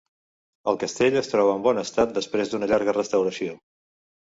El castell es troba en bon estat després d’una llarga restauració.